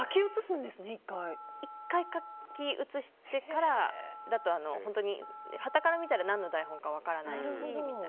１回書き写してからだと本当にはたから見たら何の台本か分からないので。